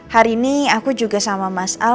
hari ini aku juga sama mas al